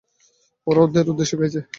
ওরা ওদের উদ্দেশ্যে গাইছে!